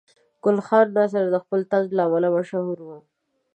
ګل خان ناصر د خپل طنز له امله مشهور و.